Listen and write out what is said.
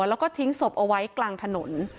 แล้วก็ทิ้งศพเอาไว้กลางถนน